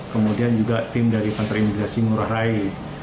kemudian juga tim dari kantor imigrasi ngurah rai